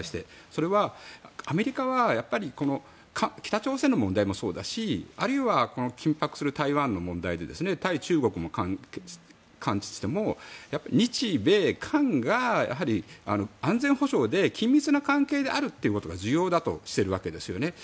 それはアメリカは北朝鮮の問題もそうだしあるいは緊迫する台湾の問題で対中国も関係して日米韓が、やはり安全保障で緊密な関係であることが重要だとしているわけですね。